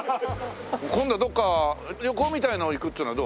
今度どっか旅行みたいなの行くっていうのはどう？